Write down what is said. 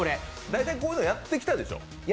大体こういうのやってきたでしょう？